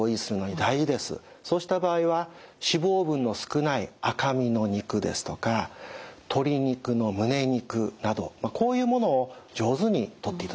そうした場合は脂肪分の少ない赤身の肉ですとか鶏肉の胸肉などこういうものを上手にとっていただく。